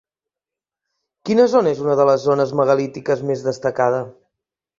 Quina zona és una de les zones megalítiques més destacada?